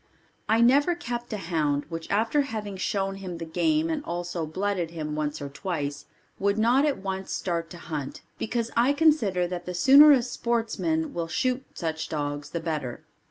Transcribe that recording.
I never kept a hound which after having shown him the game and also blooded him once or twice would not at once start to hunt because I consider that the sooner a sportsman will shoot such dogs the better.